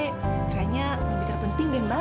kayanya mau bicara penting deh mbak